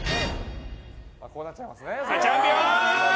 チャンピオン！